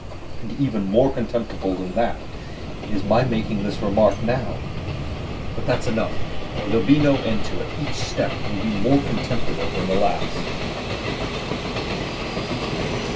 And even more contemptible than that is my making this remark now. But that's enough, or there will be no end to it; each step will be more contemptible than the last....